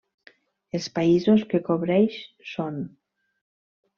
Els països que cobreix són: